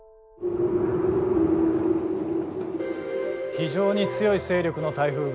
非常に強い勢力の台風が。